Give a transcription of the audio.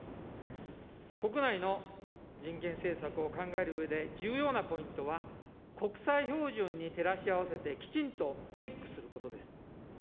国内の人権政策を考えるうえで重要なポイントは、国際標準に照らし合わせてきちんとチェックすることです。